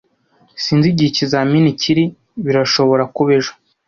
Sinzi igihe ikizamini kiri. Birashobora kuba ejo.